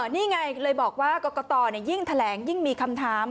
นี่ไงเลยบอกว่ากรกตยิ่งแถลงยิ่งมีคำถาม